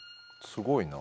すごいな。